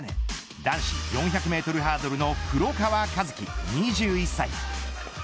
男子４００メートルハードルの黒川和樹２１歳。